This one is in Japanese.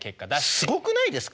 すごくないですか？